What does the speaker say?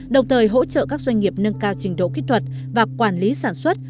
đồng thời hỗ trợ các doanh nghiệp nâng cao trình độ kỹ thuật và quản lý sản xuất